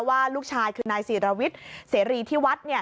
ว่าลูกชายคือนายศิรวิทย์เสรีที่วัด